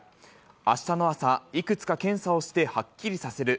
あしたの朝、いくつか検査をしてはっきりさせる。